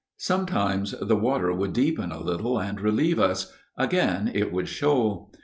Sometimes the water would deepen a little and relieve us; again it would shoal.